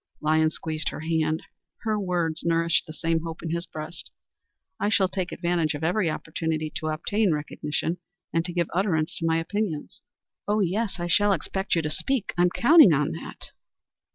Lyons squeezed her hand. Her words nourished the same hope in his own breast. "I shall take advantage of every opportunity to obtain recognition, and to give utterance to my opinions." "Oh yes, I shall expect you to speak. I am counting on that."